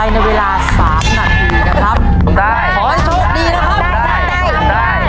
ในเวลาสามนาทีนะครับทำได้ขอให้โชคดีนะครับได้ได้ทำได้